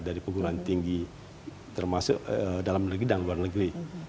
dari penggunaan tinggi termasuk dalam negeri dan luar negeri